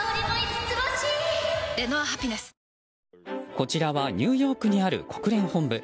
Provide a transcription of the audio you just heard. こちらはニューヨークにある国連本部。